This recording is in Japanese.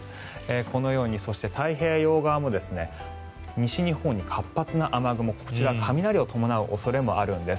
このように太平洋側も西日本に活発な雨雲こちら、雷を伴う恐れもあるんです。